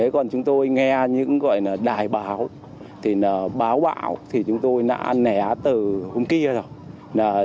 còn chúng tôi nghe những gọi là đài báo báo bạo thì chúng tôi đã né từ hôm kia rồi